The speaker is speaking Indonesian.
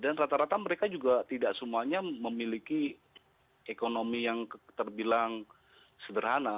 dan rata rata mereka juga tidak semuanya memiliki ekonomi yang terbilang sederhana